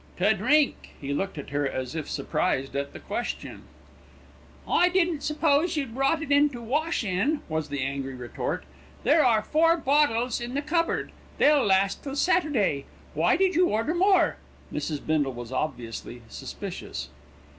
"To drink." He looked at her as if surprised at the question. "I didn't suppose you'd bought it to wash in," was the angry retort. "There are four bottles in the cupboard. They'll last till Saturday. Why did you order more?" Mrs. Bindle was obviously suspicious.